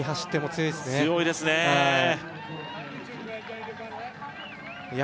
強いですねえ